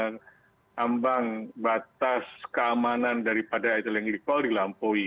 tambang batas keamanan daripada eteleng glycol dilampaui